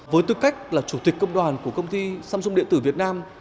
với tư cách là chủ tịch công đoàn của công ty samsung điện tử việt nam